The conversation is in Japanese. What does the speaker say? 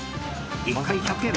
１回１００円。